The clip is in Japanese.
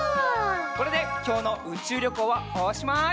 これできょうのうちゅうりょこうはおしまい！